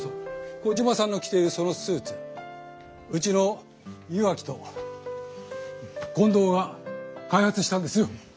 コジマさんの着ているそのスーツうちの岩城と近藤が開発したんですよ。